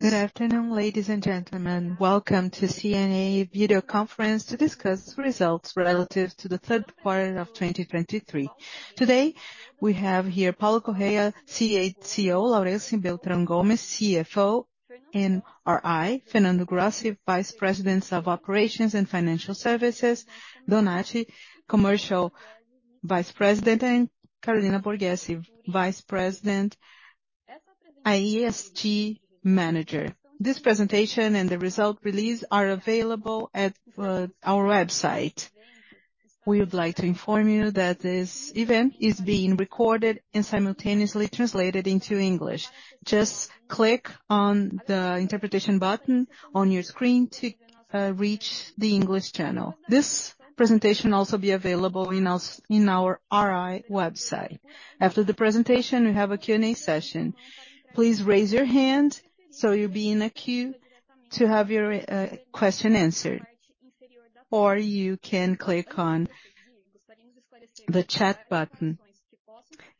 Good afternoon, ladies and gentlemen. Welcome to C&A video conference to discuss results relative to the third quarter of 2023. Today, we have here Paulo Correa, C&A CEO, Laurence Beltrão Gomes, CFO and IR, Fernando Garcia Brossi, Vice President of Operations and Financial Services, Donatti, Commercial Vice President, and Carolina Borghesi, Vice President, ESG Manager. This presentation and the result release are available at our website. We would like to inform you that this event is being recorded and simultaneously translated into English. Just click on the interpretation button on your screen to reach the English channel. This presentation will also be available in our IR website. After the presentation, we have a Q&A session. Please raise your hand so you'll be in a queue to have your question answered, or you can click on the chat button.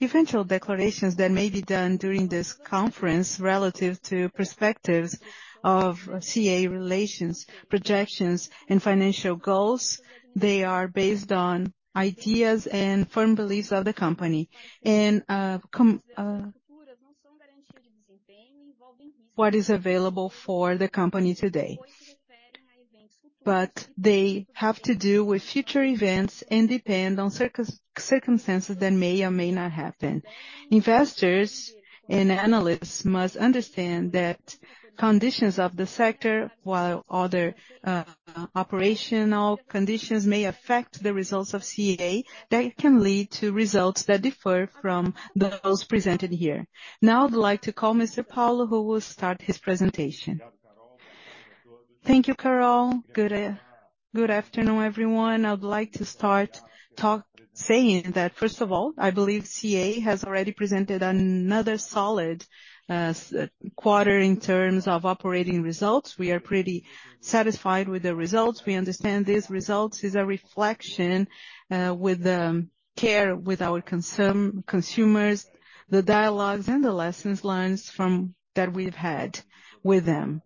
Eventual declarations that may be done during this conference, relative to perspectives of C&A relations, projections, and financial goals, they are based on ideas and firm beliefs of the company. And what is available for the company today. But they have to do with future events and depend on circumstances that may or may not happen. Investors and analysts must understand that conditions of the sector, while other operational conditions may affect the results of C&A, that can lead to results that differ from those presented here. Now, I'd like to call Mr. Paulo, who will start his presentation. Thank you, Carol. Good afternoon, everyone. I would like to start saying that, first of all, I believe C&A has already presented another solid quarter in terms of operating results. We are pretty satisfied with the results. We understand these results is a reflection with the care, with our consumers, the dialogues and the lessons learned from that we've had with them,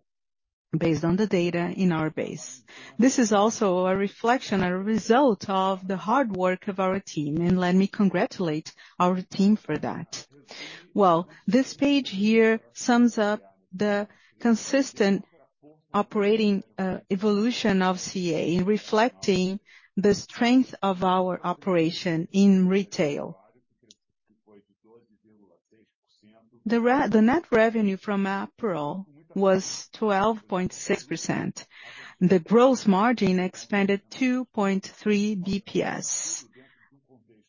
based on the data in our base. This is also a reflection, a result of the hard work of our team, and let me congratulate our team for that. Well, this page here sums up the consistent operating evolution of C&A, reflecting the strength of our operation in retail. The net revenue from apparel was 12.6%. The gross margin expanded 2.3 basis points.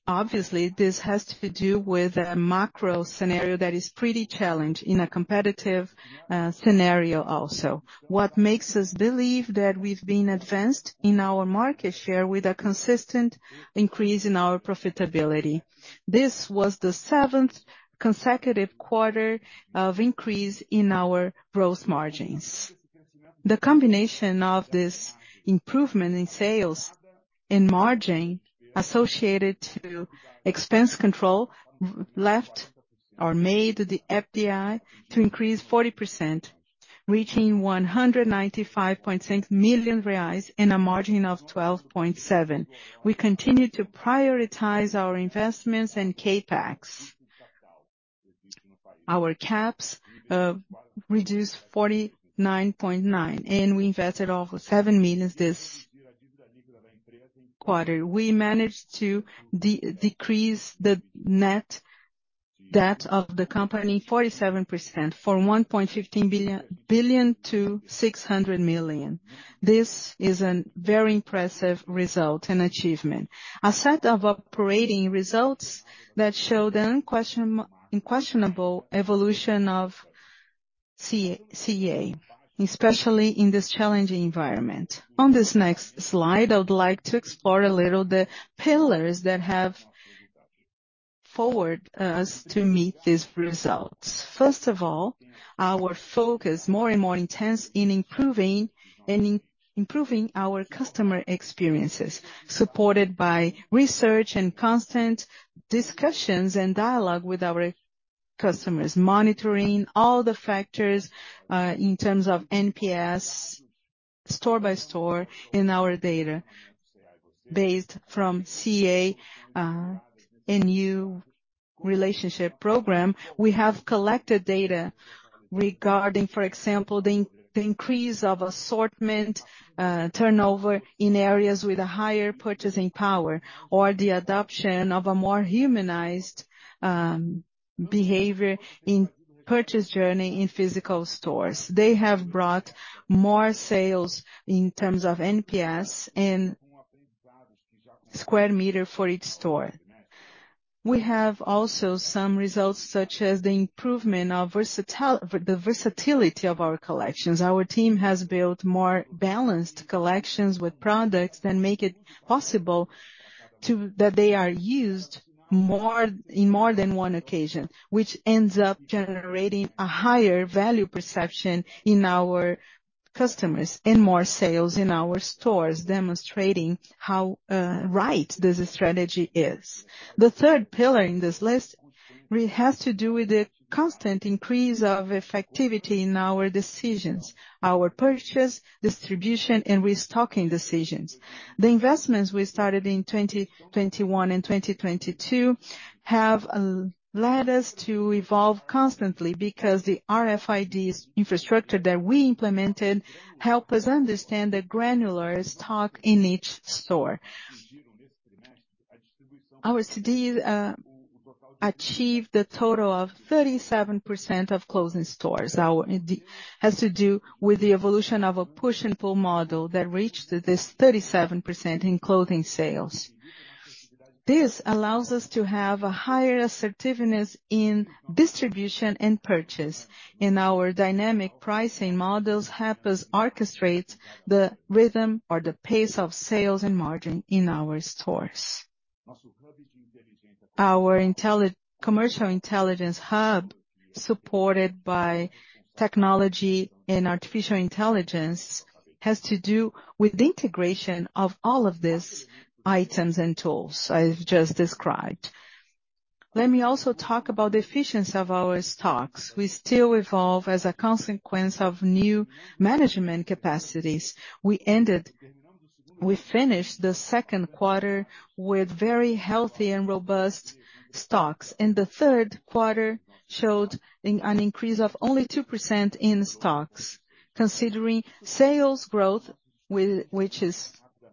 Obviously, this has to do with a macro scenario that is pretty challenged in a competitive scenario also. What makes us believe that we've been advanced in our market share with a consistent increase in our profitability. This was the seventh consecutive quarter of increase in our gross margins. The combination of this improvement in sales and margin associated to expense control left or made the EBITDA to increase 40%, reaching 195.6 million reais in a margin of 12.7%. We continue to prioritize our investments in CapEx. Our CapEx reduced 49.9%, and we invested over [50 million] this quarter. We managed to decrease the net debt of the company 47% from 1.15 billion to 600 million. This is a very impressive result and achievement. A set of operating results that show the unquestionable evolution of C&A, especially in this challenging environment. On this next slide, I would like to explore a little, the pillars that have forward us to meet these results. First of all, our focus, more and more intense in improving and improving our customer experiences, supported by research and constant discussions and dialogue with our customers. Monitoring all the factors in terms of NPS, store by store in our data. Based from C&A new relationship program, we have collected data regarding, for example, the increase of assortment turnover in areas with a higher purchasing power, or the adoption of a more humanized behavior in purchase journey in physical stores. They have brought more sales in terms of NPS and square meter for each store. We have also some results, such as the improvement of the versatility of our collections. Our team has built more balanced collections with products that make it possible to that they are used more, in more than one occasion, which ends up generating a higher value perception in our customers and more sales in our stores, demonstrating how right this strategy is. The third pillar in this list has to do with the constant increase of effectivity in our decisions, our purchase, distribution, and restocking decisions. The investments we started in 2021 and 2022 have led us to evolve constantly because the RFID infrastructure that we implemented help us understand the granular stock in each store. Our DC achieved a total of 37% of clothing stores. Our IT has to do with the evolution of a Push & Pull model that reached this 37% in clothing sales. This allows us to have a higher assertiveness in distribution and purchase, and our dynamic pricing models help us orchestrate the rhythm or the pace of sales and margin in our stores. Our integrated commercial intelligence hub, supported by technology and artificial intelligence, has to do with the integration of all of these items and tools I've just described. Let me also talk about the efficiency of our stocks. We still evolve as a consequence of new management capacities. We finished the second quarter with very healthy and robust stocks, and the third quarter showed an increase of only 2% in stocks, considering sales growth, which is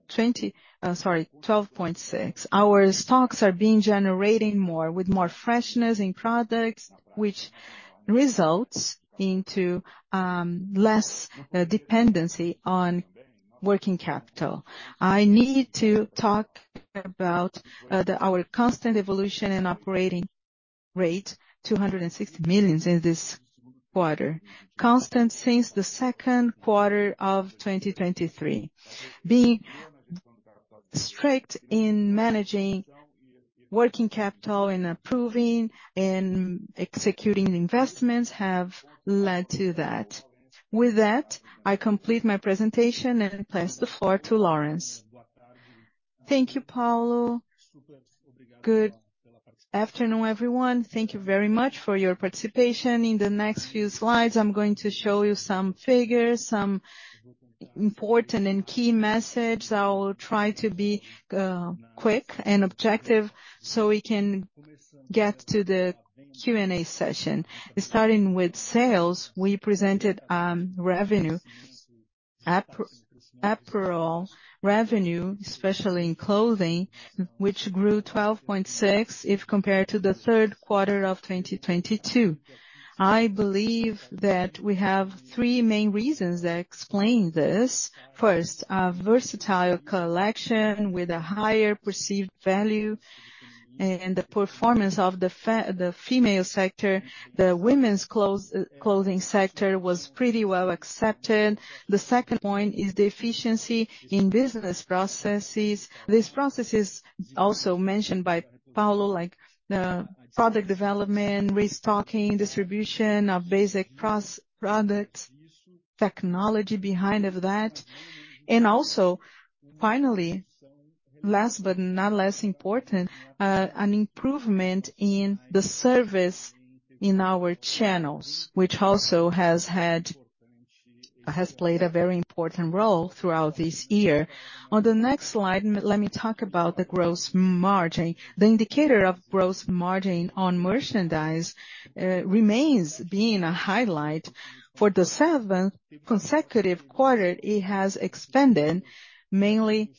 20, 12.6. Our stocks are being generating more, with more freshness in products, which results into less dependency on working capital. I need to talk about our constant evolution and operating rate, 260 million in this quarter. Constant since the second quarter of 2023. Being strict in managing working capital, and approving, and executing investments have led to that. With that, I complete my presentation and pass the floor to Laurence. Thank you, Paulo. Good afternoon, everyone. Thank you very much for your participation. In the next few slides, I'm going to show you some figures, some important and key message. I'll try to be quick and objective so we can get to the Q&A session. Starting with sales, we presented revenue. Apparel revenue, especially in clothing, which grew 12.6% if compared to the third quarter of 2022. I believe that we have three main reasons that explain this. First, a versatile collection with a higher perceived value and the performance of the female sector, the women's clothes, clothing sector was pretty well accepted. The second point is the efficiency in business processes. These processes, also mentioned by Paulo, like, product development, restocking, distribution of basic cross products, technology behind of that. And also, finally, last but not less important, an improvement in the service in our channels, which also has played a very important role throughout this year. On the next slide, let me talk about the gross margin. The indicator of gross margin on merchandise remains being a highlight. For the seventh consecutive quarter, it has expanded, mainly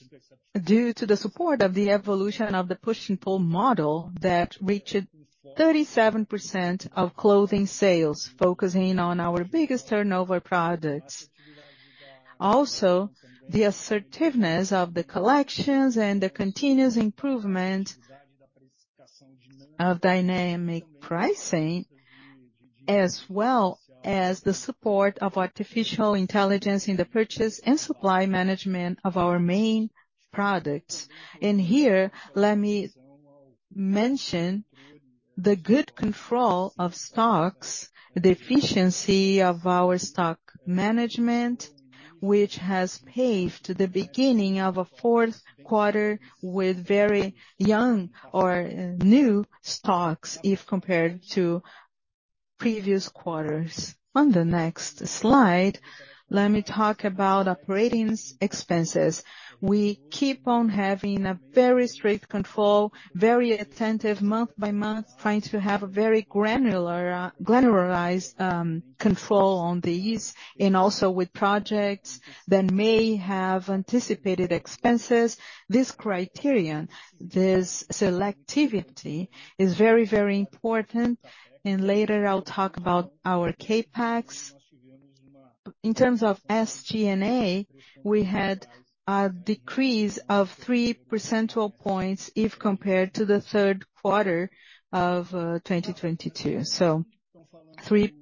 due to the support of the evolution of the Push & Pull model that reached 37% of clothing sales, focusing on our biggest turnover products. Also, the assertiveness of the collections and the continuous improvement of dynamic pricing, as well as the support of artificial intelligence in the purchase and supply management of our main products. And here, let me mention the good control of stocks, the efficiency of our stock management, which has paved the beginning of a fourth quarter with very young or new stocks if compared to previous quarters. On the next slide, let me talk about operating expenses. We keep on having a very strict control, very attentive, month by month, trying to have a very granular control on these, and also with projects that may have anticipated expenses. This criterion, this selectivity, is very, very important, and later, I'll talk about our CapEx. In terms of SG&A, we had a decrease of 3 percentage points if compared to the third quarter of 2022. So three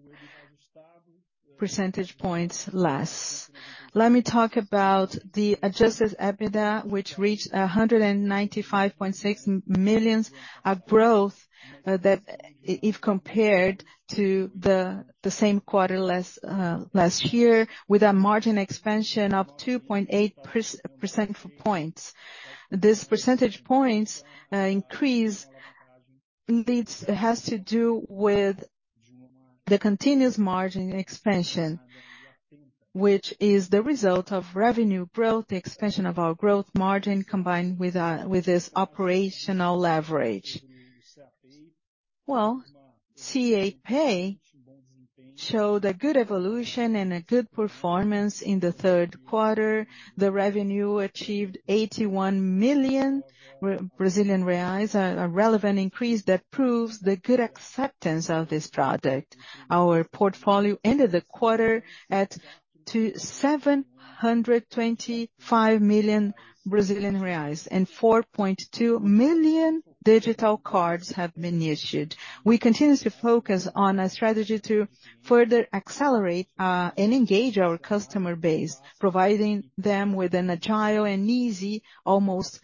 percentage points less. Let me talk about the Adjusted EBITDA, which reached 195.6 million of growth, that if compared to the same quarter last year, with a margin expansion of 2.8 percentage points. This percentage points increase, indeed, has to do with the continuous margin expansion, which is the result of revenue growth, the expansion of our gross margin, combined with this operational leverage. Well, C&A Pay showed a good evolution and a good performance in the third quarter. The revenue achieved 81 million Brazilian reais, a relevant increase that proves the good acceptance of this product. Our portfolio ended the quarter at 725 million Brazilian reais, and 4.2 million digital cards have been issued. We continue to focus on a strategy to further accelerate and engage our customer base, providing them with an agile and easy, almost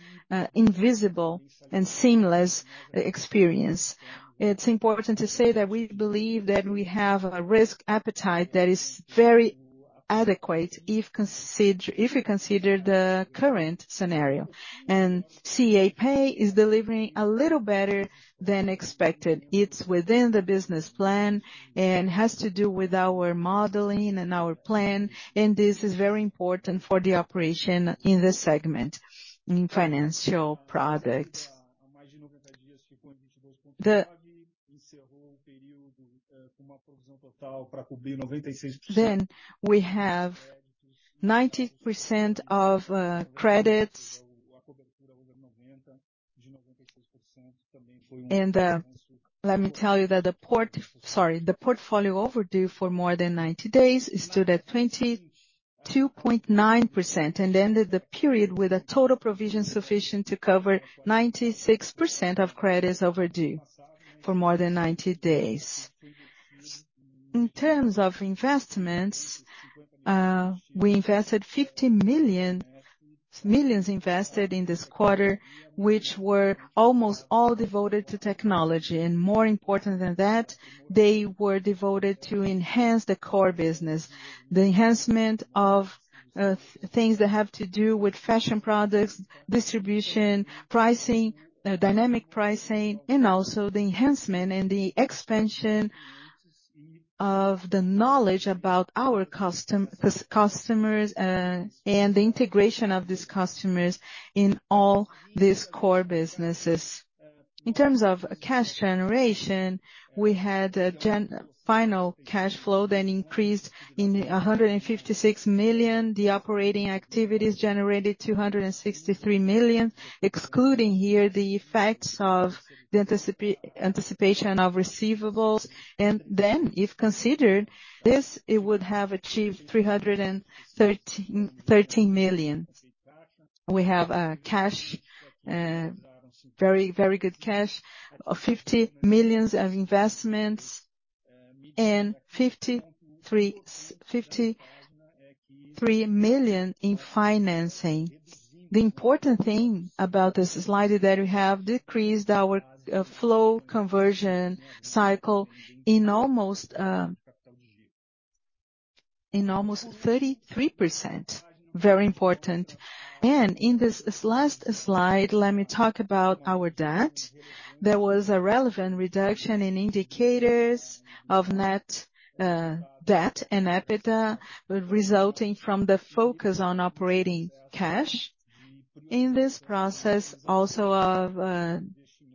invisible and seamless experience. It's important to say that we believe that we have a risk appetite that is very adequate, if you consider the current scenario, and C&A Pay is delivering a little better than expected. It's within the business plan and has to do with our modeling and our plan, and this is very important for the operation in this segment, in financial product. Then we have 90% of credits. And let me tell you that the portfolio overdue for more than 90 days, it stood at 22.9% and ended the period with a total provision sufficient to cover 96% of credits overdue for more than 90 days. In terms of investments, we invested 50 million. Millions invested in this quarter, which were almost all devoted to technology, and more important than that, they were devoted to enhance the core business. The enhancement of things that have to do with fashion products, distribution, pricing, dynamic pricing, and also the enhancement and the expansion of the knowledge about our customers, and the integration of these customers in all these core businesses. In terms of cash generation, we had a final cash flow then increased in 156 million. The operating activities generated 263 million, excluding here the effects of the anticipation of receivables, and then, if considered, this, it would have achieved 313 million. We have cash, very, very good cash, 50 million of investments and 53 million in financing. The important thing about this slide is that we have decreased our flow conversion cycle in almost 33%. Very important. In this last slide, let me talk about our debt. There was a relevant reduction in indicators of net debt and EBITDA, resulting from the focus on operating cash. In this process, also of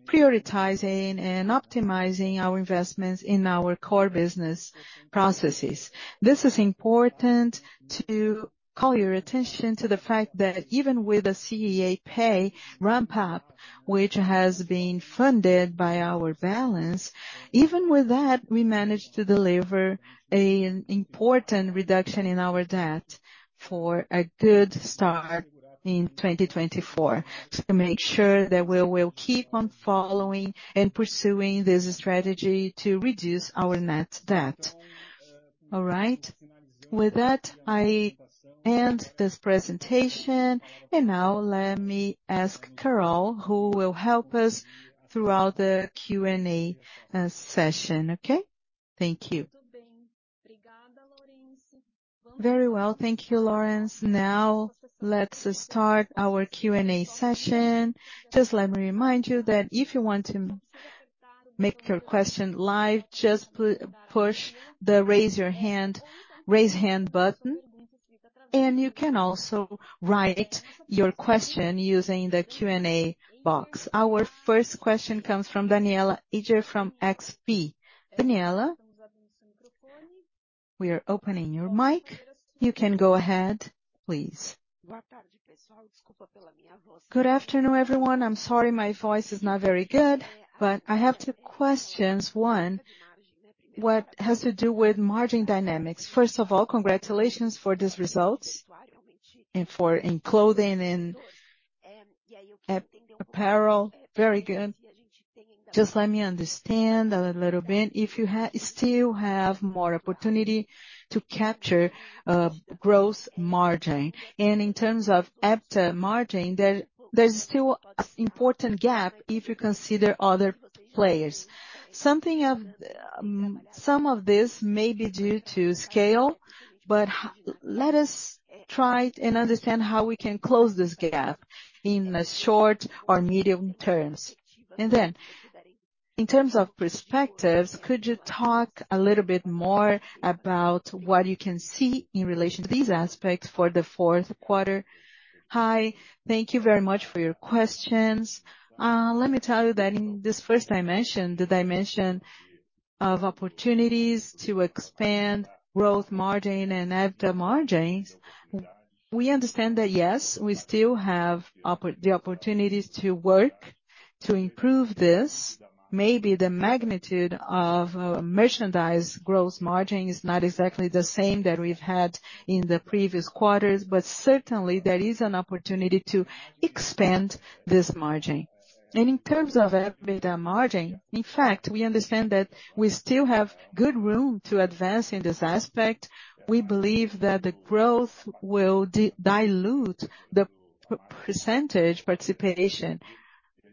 prioritizing and optimizing our investments in our core business processes. This is important to call your attention to the fact that even with the C&A Pay ramp up, which has been funded by our balance, even with that, we managed to deliver an important reduction in our debt for a good start in 2024, to make sure that we will keep on following and pursuing this strategy to reduce our net debt. All right. With that, I end this presentation, and now let me ask Carol, who will help us throughout the Q&A session. Okay? Thank you. Very well. Thank you, Laurence. Now, let's start our Q&A session. Just let me remind you that if you want to make your question live, just push the Raise Hand button, and you can also write your question using the Q&A box. Our first question comes from Danniela Eiger, from XP. Daniela, we are opening your mic. You can go ahead, please. Good afternoon, everyone. I'm sorry my voice is not very good, but I have two questions. One, what has to do with margin dynamics? First of all, congratulations for these results and for including apparel, very good. Just let me understand a little bit, if you still have more opportunity to capture, gross margin. And in terms of EBITDA margin, there's still a important gap if you consider other players. Some of this may be due to scale, but let us try and understand how we can close this gap in the short or medium terms. And then, in terms of perspectives, could you talk a little bit more about what you can see in relation to these aspects for the fourth quarter? Hi, thank you very much for your questions. Let me tell you that in this first dimension, the dimension of opportunities to expand gross margin and EBITDA margins, we understand that, yes, we still have the opportunities to work to improve this. Maybe the magnitude of merchandise gross margin is not exactly the same that we've had in the previous quarters, but certainly there is an opportunity to expand this margin. And in terms of EBITDA margin, in fact, we understand that we still have good room to advance in this aspect. We believe that the growth will dilute the percentage participation,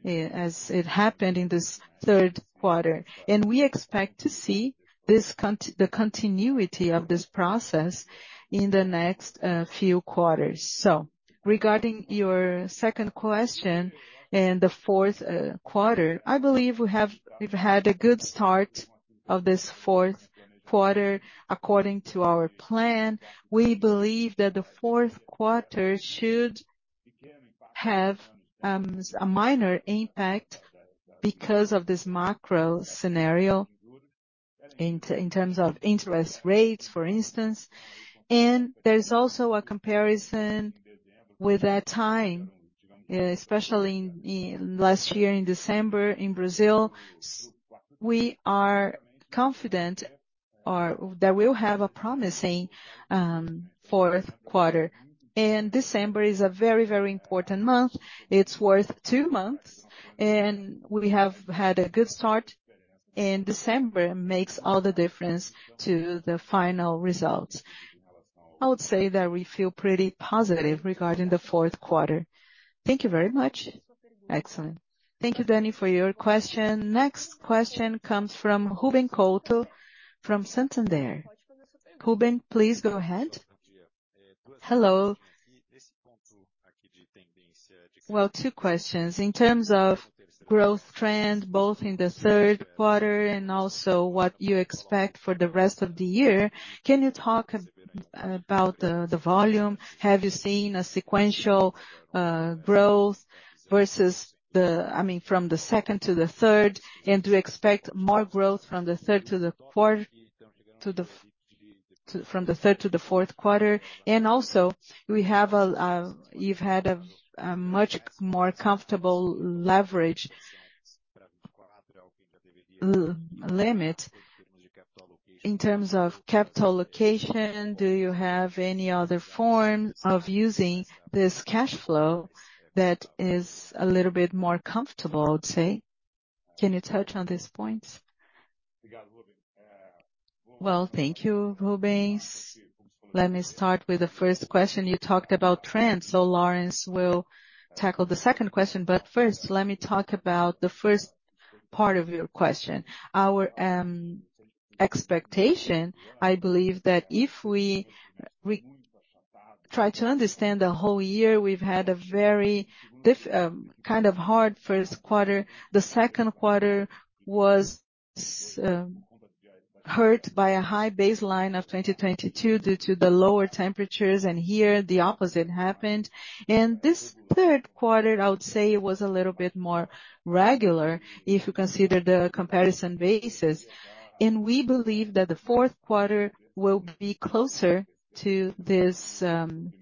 as it happened in this third quarter, and we expect to see the continuity of this process in the next few quarters. So regarding your second question, in the fourth quarter, I believe we've had a good start of this fourth quarter, according to our plan. We believe that the fourth quarter should have a minor impact because of this macro scenario in terms of interest rates, for instance. And there's also a comparison with that time, especially in last year, in December, in Brazil, so we are confident that we'll have a promising fourth quarter. And December is a very, very important month. It's worth two months, and we have had a good start, and December makes all the difference to the final results. I would say that we feel pretty positive regarding the fourth quarter. Thank you very much. Excellent. Thank you, Danny, for your question. Next question comes from Ruben Couto, from Santander. Ruben, please go ahead. Hello. Well, two questions. In terms of growth trend, both in the third quarter and also what you expect for the rest of the year, can you talk about the, the volume? Have you seen a sequential growth versus the, I mean, from the second to the third, and to expect more growth from the third to the fourth, to, from the third to the fourth quarter? And also, we have a, you've had a much more comfortable leverage limit. In terms of capital allocation, do you have any other form of using this cash flow that is a little bit more comfortable, I would say? Can you touch on these points? Well, thank you, Ruben. Let me start with the first question. You talked about trends, so Laurence will tackle the second question. But first, let me talk about the first part of your question. Our expectation, I believe that if we try to understand the whole year, we've had a very difficult kind of hard first quarter. The second quarter was hurt by a high baseline of 2022 due to the lower temperatures, and here the opposite happened. And this third quarter, I would say, was a little bit more regular if you consider the comparison basis, and we believe that the fourth quarter will be closer to this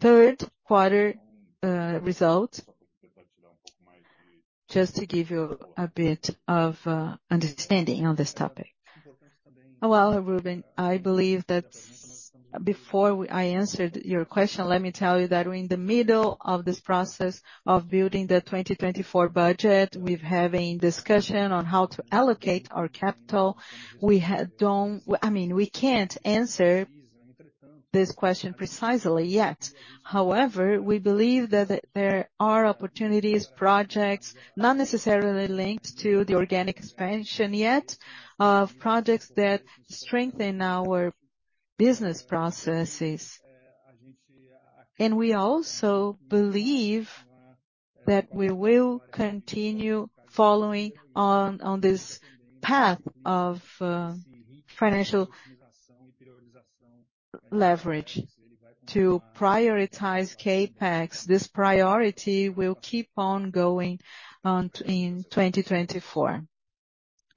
third quarter result. Just to give you a bit of understanding on this topic. Well, Ruben, I believe that before I answered your question, let me tell you that we're in the middle of this process of building the 2024 budget. We're having discussion on how to allocate our capital. We had don't. I mean, we can't answer this question precisely yet. However, we believe that there are opportunities, projects, not necessarily linked to the organic expansion yet, of projects that strengthen our business processes. And we also believe that we will continue following on this path of financial leverage to prioritize CapEx. This priority will keep on going on in 2024.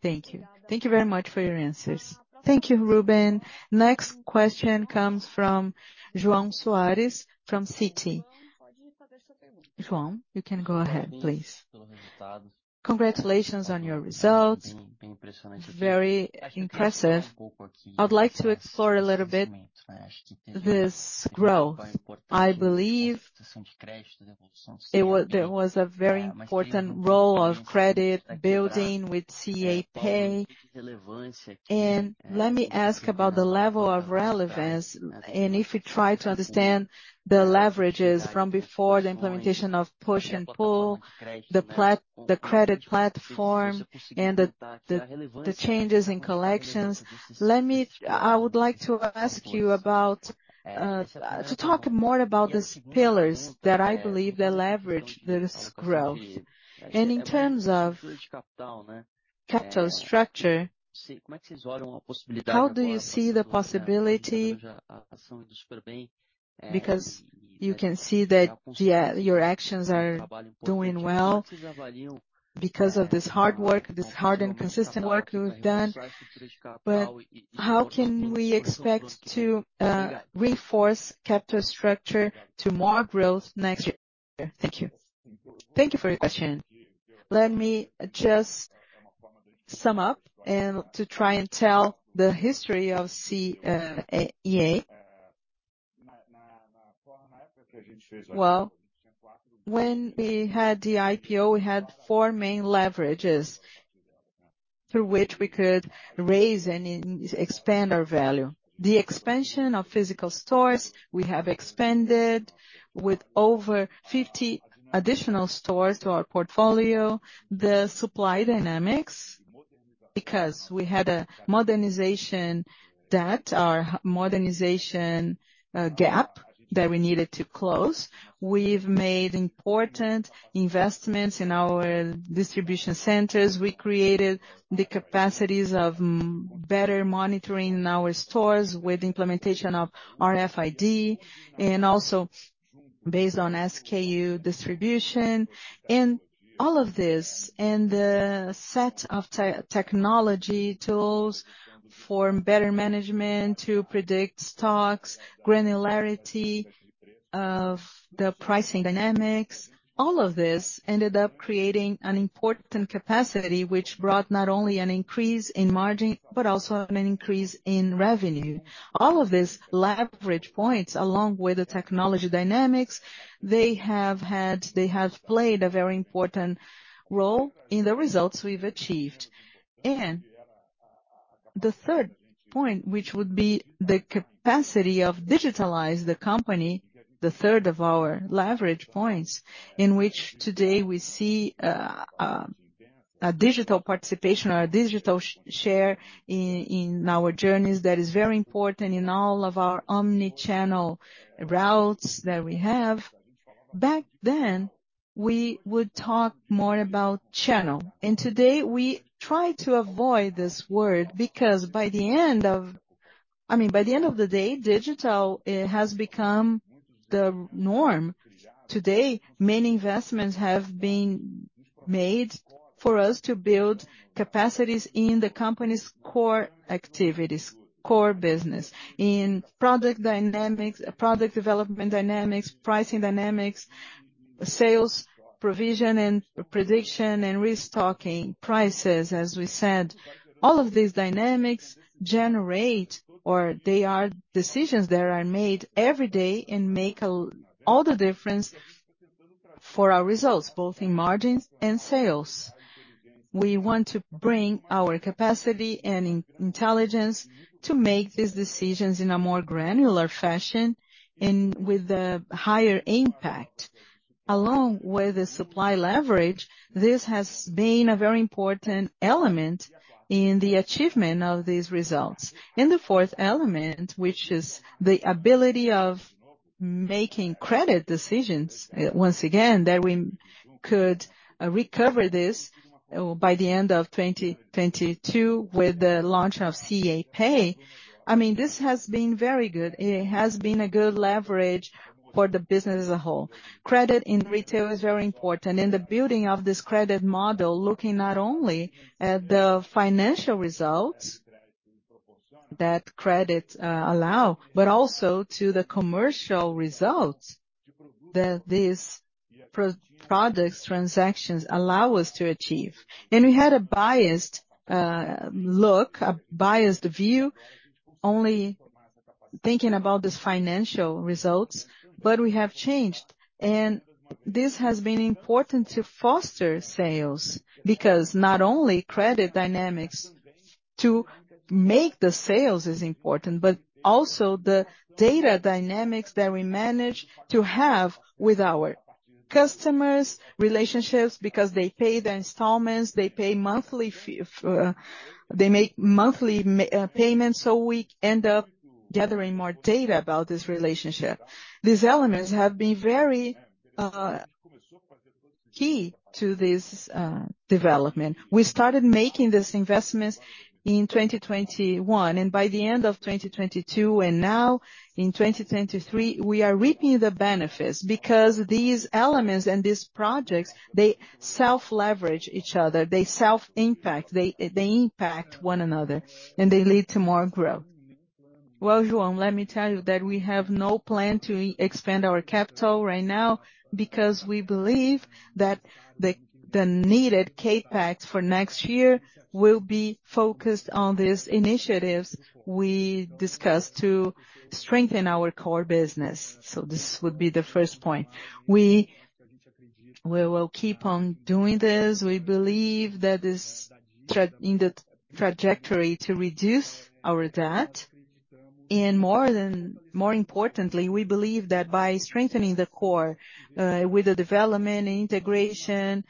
Thank you. Thank you very much for your answers. Thank you, Ruben. Next question comes from João Soares, from Citi. João, you can go ahead, please. Congratulations on your results. Very impressive. I'd like to explore a little bit this growth. I believe there was a very important role of credit building with C&A Pay. Let me ask about the level of relevance, and if you try to understand the leverages from before the implementation of Push & Pull, the platform, and the changes in collections. I would like to ask you to talk more about these pillars that I believe they leverage this growth. In terms of capital structure, how do you see the possibility? Because you can see that your actions are doing well, because of this hard work, this hard and consistent work you've done. But how can we expect to reinforce capital structure to more growth next year? Thank you. Thank you for your question. Let me just sum up and to try and tell the history of C&A. Well, when we had the IPO, we had four main leverages through which we could raise and expand our value. The expansion of physical stores, we have expanded with over 50 additional stores to our portfolio, the supply dynamics, because we had a modernization debt or modernization gap that we needed to close. We've made important investments in our distribution centers. We created the capacities of better monitoring in our stores with the implementation of RFID, and also based on SKU distribution. And all of this, and the set of technology tools for better management to predict stocks, granularity of the pricing dynamics, all of this ended up creating an important capacity, which brought not only an increase in margin, but also an increase in revenue. All of these leverage points, along with the technology dynamics, they have played a very important role in the results we've achieved. And the third point, which would be the capacity to digitalize the company, the third of our leverage points, in which today we see a digital participation or a digital share in our journeys, that is very important in all of our omni-channel routes that we have. Back then, we would talk more about channel, and today, we try to avoid this word, because, I mean, by the end of the day, digital, it has become the norm. Today, many investments have been made for us to build capacities in the company's core activities, core business, in product dynamics, product development dynamics, pricing dynamics, sales, provision, and prediction, and restocking prices. As we said, all of these dynamics generate, or they are decisions that are made every day, and make all the difference for our results, both in margins and sales. We want to bring our capacity and intelligence to make these decisions in a more granular fashion, and with the higher impact. Along with the supply leverage, this has been a very important element in the achievement of these results. And the fourth element, which is the ability of making credit decisions, once again, that we could recover this by the end of 2022, with the launch of C&A Pay. I mean, this has been very good. It has been a good leverage for the business as a whole. Credit in retail is very important, and the building of this credit model, looking not only at the financial results that credits allow, but also to the commercial results that these products, transactions allow us to achieve. We had a biased view, only thinking about these financial results. We have changed, and this has been important to foster sales, because not only credit dynamics to make the sales is important, but also the data dynamics that we manage to have with our customers, relationships, because they pay the installments, they pay monthly fees, they make monthly payments, so we end up gathering more data about this relationship. These elements have been very key to this development. We started making these investments in 2021, and by the end of 2022 and now in 2023, we are reaping the benefits, because these elements and these projects, they self-leverage each other, they self-impact, they, they impact one another, and they lead to more growth. Well, João, let me tell you that we have no plan to expand our capital right now, because we believe that the needed CapEx for next year will be focused on these initiatives we discussed to strengthen our core business. So this would be the first point. We, we will keep on doing this. We believe that is in the trajectory to reduce our debt, and more importantly, we believe that by strengthening the core, with the development and integration,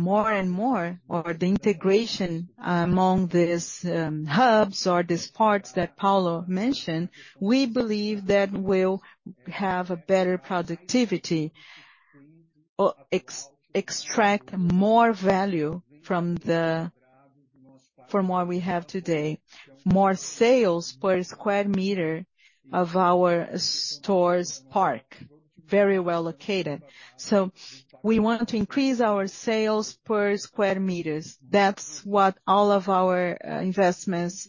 more and more, or the integration among these hubs or these parts that Paulo mentioned, we believe that we'll have a better productivity, or extract more value from what we have today. More sales per square meter of our stores park, very well located. So we want to increase our sales per square meters. That's what all of our investments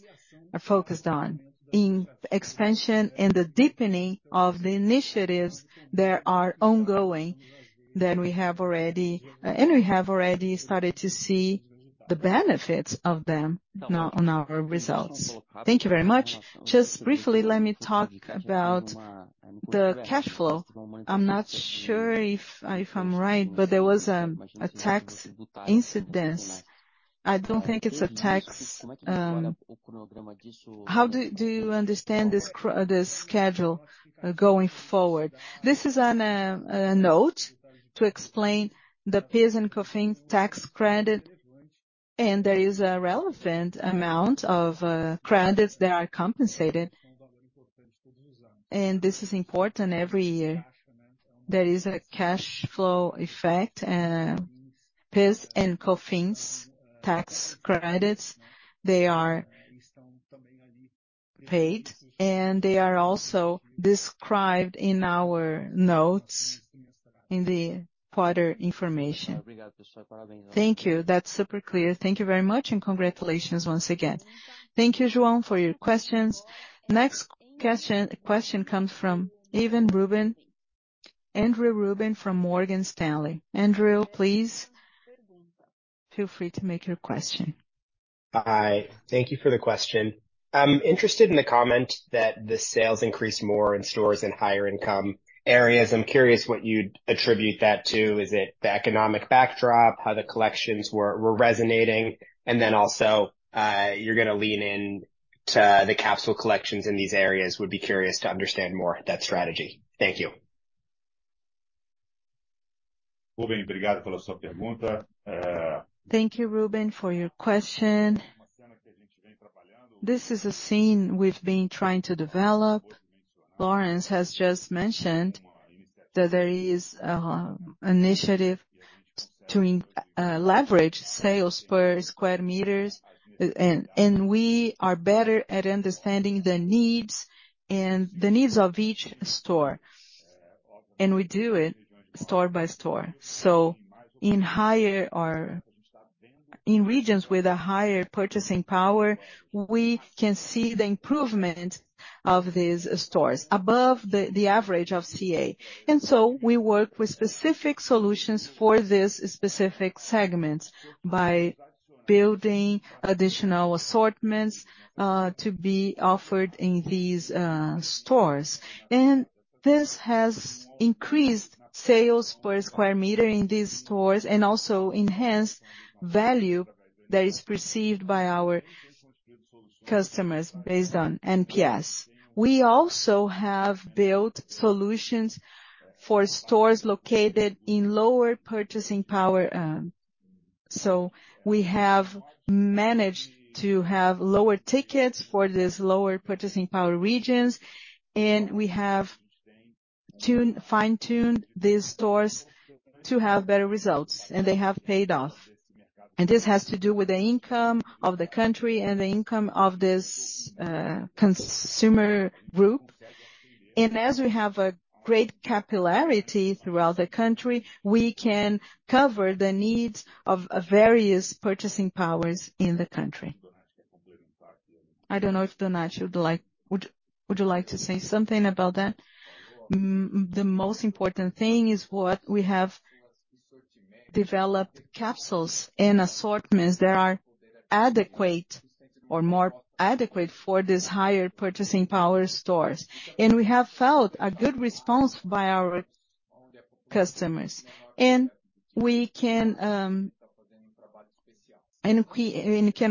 are focused on, in expansion and the deepening of the initiatives that are ongoing, that we have already. And we have already started to see the benefits of them now on our results. Thank you very much. Just briefly, let me talk about the cash flow. I'm not sure if I'm right, but there was a tax incidence. I don't think it's a tax, how do you understand this schedule going forward? This is on a note to explain the PIS/COFINS tax credit, and there is a relevant amount of credits that are compensated. This is important every year. There is a cash flow effect, and PIS and COFINS tax credits, they are paid, and they are also described in our notes in the quarter information. Thank you. That's super clear. Thank you very much, and congratulations once again. Thank you, João, for your questions. Next question, question comes from Andrew Ruben from Morgan Stanley. Andrew, please feel free to make your question. Hi. Thank you for the question. I'm interested in the comment that the sales increased more in stores in higher income areas. I'm curious what you'd attribute that to. Is it the economic backdrop, how the collections were resonating? And then also, you're gonna lean in to the capsule collections in these areas. Would be curious to understand more that strategy. Thank you. Thank you, Ruben, for your question. This is a scene we've been trying to develop. Laurence has just mentioned that there is initiative to leverage sales per square meters, and we are better at understanding the needs and the needs of each store. And we do it store by store. So in higher or in regions with a higher purchasing power, we can see the improvement of these stores above the average of C&A. And so we work with specific solutions for these specific segments by building additional assortments to be offered in these stores. And this has increased sales per square meter in these stores, and also enhanced value that is perceived by our customers based on NPS. We also have built solutions for stores located in lower purchasing power. So we have managed to have lower tickets for these lower purchasing power regions, and we have tuned—fine-tuned these stores to have better results, and they have paid off. And this has to do with the income of the country and the income of this consumer group. And as we have a great capillarity throughout the country, we can cover the needs of various purchasing powers in the country. I don't know if Donatti would like to say something about that? The most important thing is what we have developed capsules and assortments that are adequate or more adequate for these higher purchasing power stores. And we have felt a good response by our customers, and we can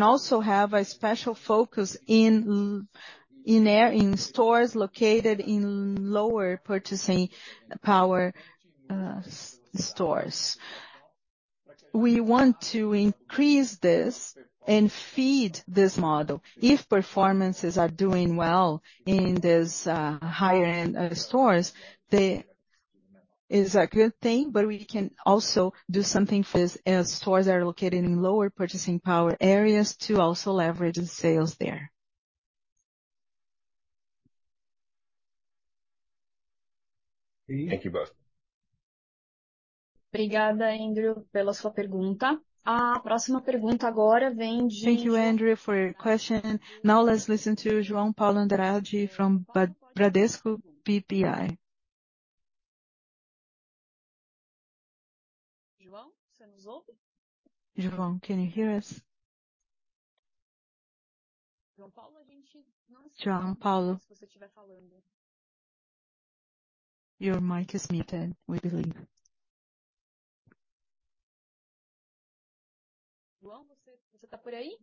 also have a special focus in areas in stores located in lower purchasing power stores. We want to increase this and feed this model. If performances are doing well in these higher-end stores, this is a good thing, but we can also do something for these stores that are located in lower purchasing power areas to also leverage the sales there. Thank you both. Thank you, Andrew, for your question. Now let's listen to João Paulo Andrade from Bradesco BBI. João, can you hear us? João Paulo, a gente, João Paulo. If you stay falando. Your mic is muted, we believe. João, você tá por aí?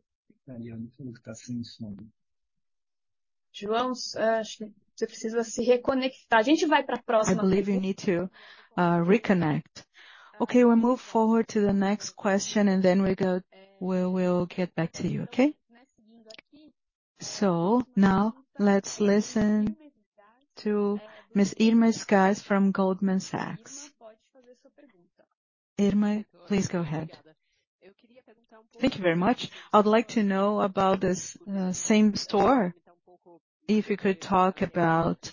Aí, não tá sendo som. João, acho que você precisa se reconectar. A gente vai pra próxima. I'm leaving you to reconnect. Okay, we move forward to the next question, and then we go. We will get back to you, okay? So now let's listen to Ms. Irma Sgarz from Goldman Sachs. Irma, please go ahead. Thank you very much. I would like to know about this, same store. If you could talk about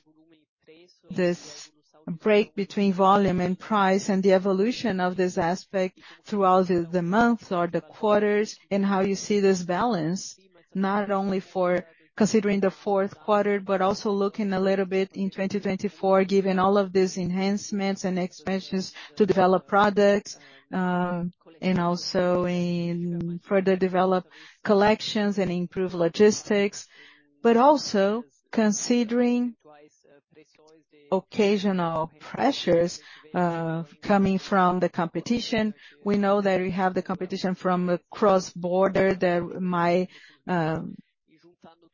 this break between volume and price, and the evolution of this aspect throughout the months or the quarters, and how you see this balance, not only for considering the fourth quarter, but also looking a little bit in 2024, given all of these enhancements and expansions to develop products, and also in further develop collections and improve logistics. But also considering occasional pressures, coming from the competition. We know that we have the competition from a cross-border that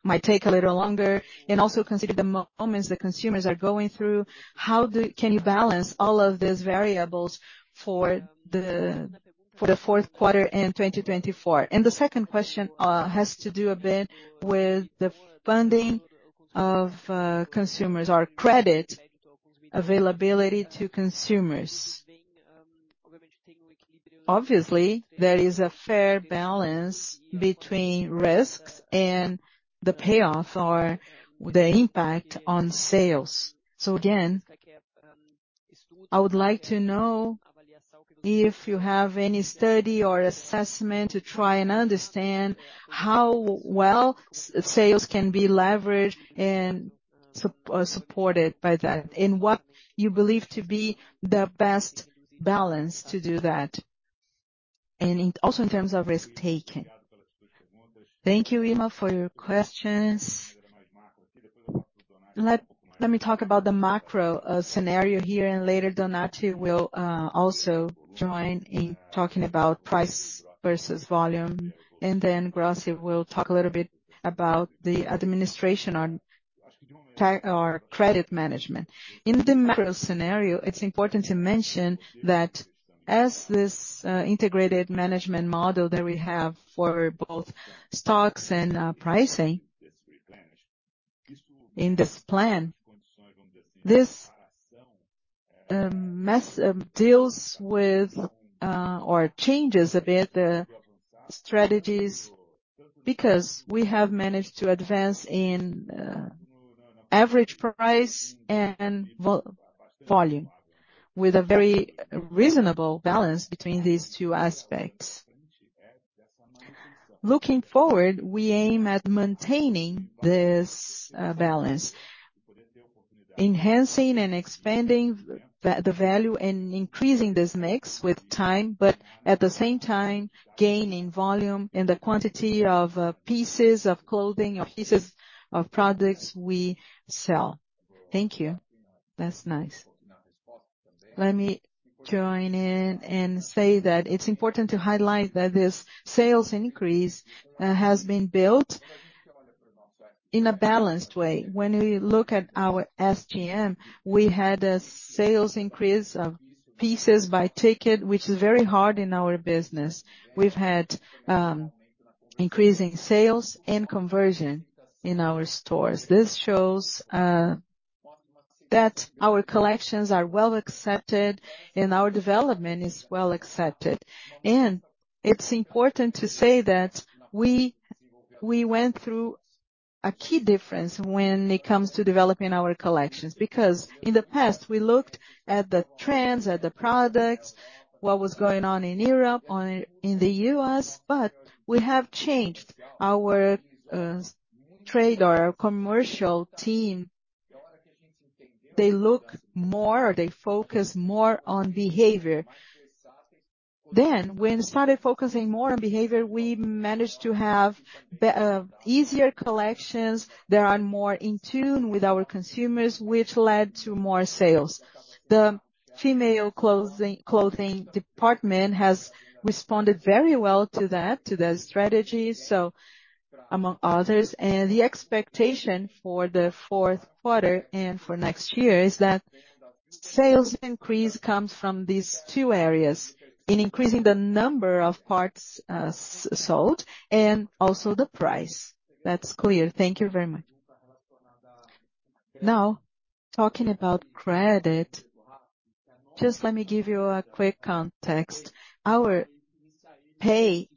might take a little longer, and also consider the moments the consumers are going through. How can you balance all of these variables for the fourth quarter in 2024? And the second question has to do a bit with the funding of consumers or credit availability to consumers. Obviously, there is a fair balance between risks and the payoff or the impact on sales. So again, I would like to know if you have any study or assessment to try and understand how well sales can be leveraged and supported by that, and what you believe to be the best balance to do that, and also in terms of risk-taking. Thank you, Irma, for your questions. Let me talk about the macro scenario here, and later, Donatti will also join in talking about price versus volume, and then Brossi will talk a little bit about the administration or credit management. In the macro scenario, it's important to mention that as this integrated management model that we have for both stocks and pricing in this plan, this mess deals with or changes a bit the strategies, because we have managed to advance in average price and volume, with a very reasonable balance between these two aspects. Looking forward, we aim at maintaining this balance, enhancing and expanding the value and increasing this mix with time, but at the same time, gaining volume in the quantity of pieces of clothing or pieces of products we sell. Thank you. That's nice. Let me join in and say that it's important to highlight that this sales increase has been built in a balanced way. When we look at our SSG, we had a sales increase of pieces by ticket, which is very hard in our business. We've had increasing sales and conversion in our stores. This shows that our collections are well accepted and our development is well accepted. And it's important to say that we went through a key difference when it comes to developing our collections, because in the past, we looked at the trends, at the products, what was going on in Europe, in the U.S., but we have changed our trade or commercial team. They look more, they focus more on behavior. Then when we started focusing more on behavior, we managed to have easier collections that are more in tune with our consumers, which led to more sales. The female clothing department has responded very well to that, to the strategy, so among others, and the expectation for the fourth quarter and for next year is that sales increase comes from these two areas: in increasing the number of parts sold and also the price. That's clear. Thank you very much. Now, talking about credit, just let me give you a quick context. Our pay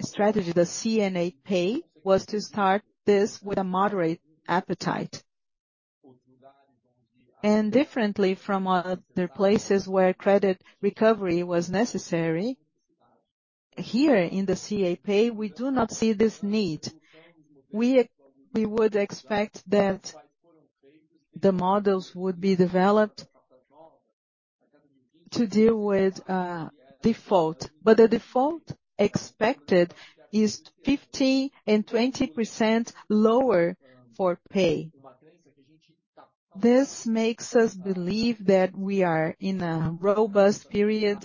strategy, the C&A Pay, was to start this with a moderate appetite. And differently from other places where credit recovery was necessary. Here in the C&A Pay, we do not see this need. We would expect that the models would be developed to deal with default, but the default expected is 15%-20% lower for Pay. This makes us believe that we are in a robust period,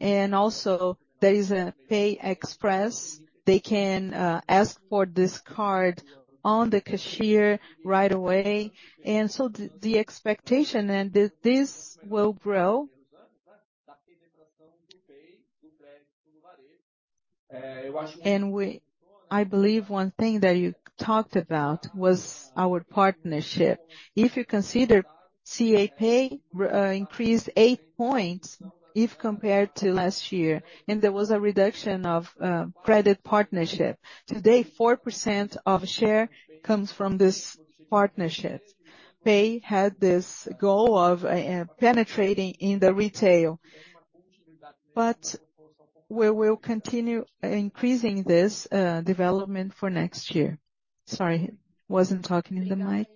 and also there is a Pay Express. They can ask for this card on the cashier right away, and so the expectation and this will grow. I believe one thing that you talked about was our partnership. If you consider C&A Pay increased 8 points if compared to last year, and there was a reduction of credit partnership. Today, 4% of share comes from this partnership. Pay had this goal of penetrating in the retail, but we will continue increasing this development for next year. Sorry, I wasn't talking in the mic.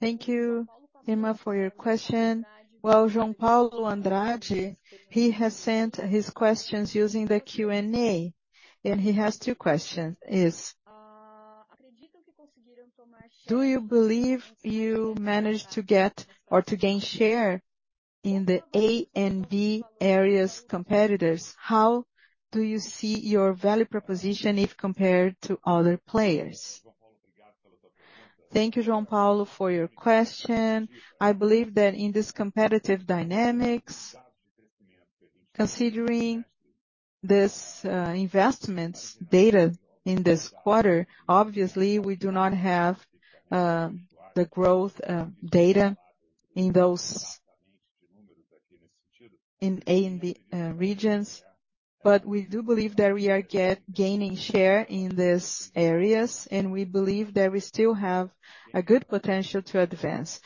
Thank you, Irma, for your question. Well, João Paulo Andrade, he has sent his questions using the Q&A, and he has two questions. His: do you believe you managed to get or to gain share in the A&B areas competitors? How do you see your value proposition if compared to other players? Thank you, João Paulo, for your question. I believe that in this competitive dynamics, considering this, investment data in this quarter, obviously, we do not have, the growth, data in those in A&B regions, but we do believe that we are gaining share in these areas, and we believe that we still have a good potential to advance.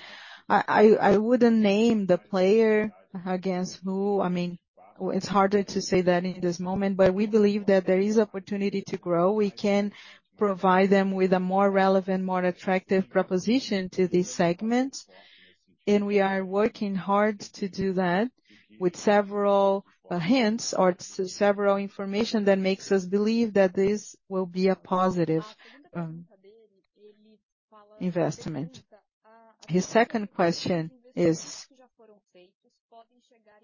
I wouldn't name the player against who—I mean, it's harder to say that in this moment, but we believe that there is opportunity to grow. We can provide them with a more relevant, more attractive proposition to these segments, and we are working hard to do that with several hints or several information that makes us believe that this will be a positive investment. His second question is: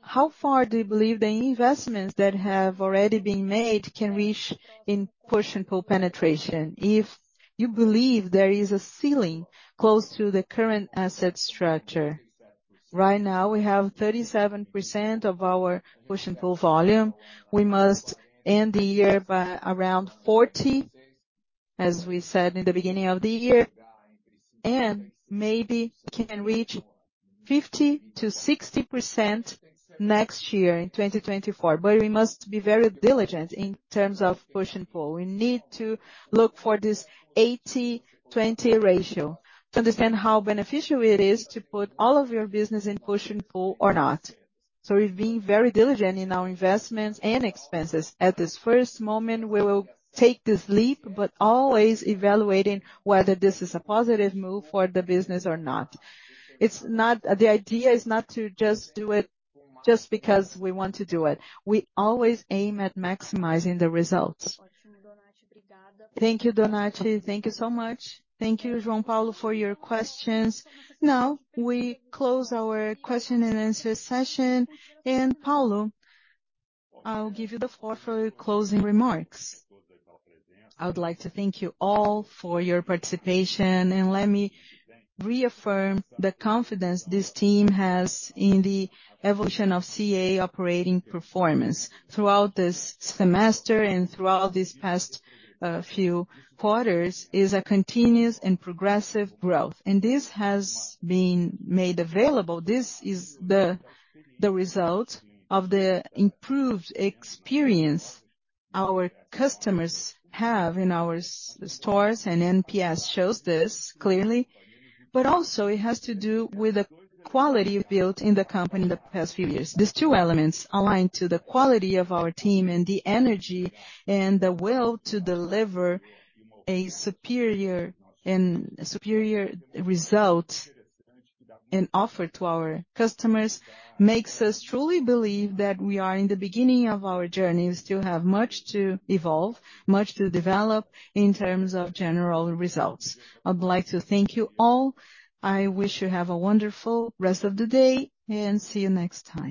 How far do you believe the investments that have already been made can reach in Push & Pull penetration if you believe there is a ceiling close to the current asset structure? Right now, we have 37% of our Push & Pull volume. We must end the year by around 40, as we said in the beginning of the year, and maybe can reach 50%-60% next year, in 2024. But we must be very diligent in terms of Push & Pull. We need to look for this 80/20 ratio to understand how beneficial it is to put all of your business in Push & Pull or not. So we've been very diligent in our investments and expenses. At this first moment, we will take this leap, but always evaluating whether this is a positive move for the business or not. It's not. The idea is not to just do it just because we want to do it. We always aim at maximizing the results. Thank you, Donatti. Thank you so much. Thank you, João Paulo, for your questions. Now, we close our question-and-answer session. And Paulo, I'll give you the floor for your closing remarks. I would like to thank you all for your participation, and let me reaffirm the confidence this team has in the evolution of C&A operating performance. Throughout this semester and throughout these past few quarters, is a continuous and progressive growth, and this has been made available. This is the result of the improved experience our customers have in our stores, and NPS shows this clearly. But also it has to do with the quality built in the company in the past few years. These two elements align to the quality of our team and the energy and the will to deliver a superior superior result and offer to our customers, makes us truly believe that we are in the beginning of our journey and still have much to evolve, much to develop in terms of general results. I would like to thank you all. I wish you have a wonderful rest of the day, and see you next time.